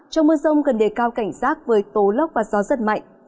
trong mưa rông cần đề cao cảnh giác với tố lốc và gió rất mạnh